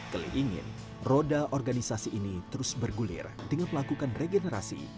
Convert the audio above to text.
keli ingin roda organisasi ini terus bergulir dengan melakukan regenerasi